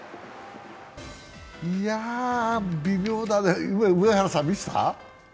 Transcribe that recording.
いや微妙だね、上原さん、見てた？